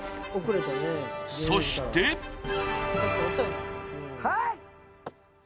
そしてはい！